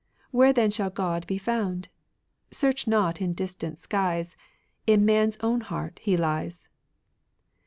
Where then shall God be found ?•.• Searoh not in distant skies ; In man's own hecurt He lies.